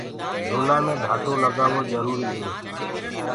جھولآ مي ڍآٽو لگآوو جروُريٚ هي۔